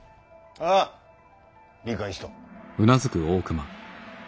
あぁ理解しとっ。